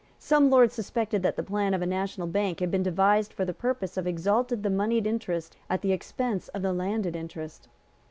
Some Lords suspected that the plan of a national bank had been devised for the purpose of exalting the moneyed interest at the expense of the landed interest.